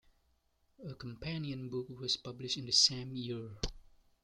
A companion book was published in the same year.